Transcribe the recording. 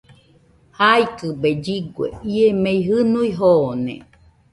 Jaikɨbe lligue, ie mei jɨnui joone.